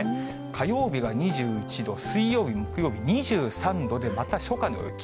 火曜日が２１度、水曜日、木曜日２３度で、また初夏の陽気。